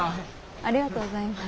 ありがとうございます。